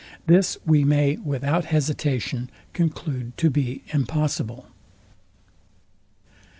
This we may without hesitation conclude to be impossible.